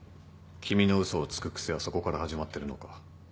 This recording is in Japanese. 君の嘘をつく癖はそこから始まってるのか。